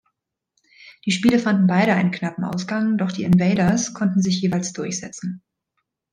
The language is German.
Die Spiele fanden beide einen knappen Ausgang, doch die Invaders konnten sich jeweils durchsetzen.